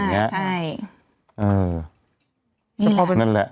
นี่นะ